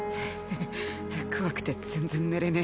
ヘヘッ怖くて全然寝れねえの。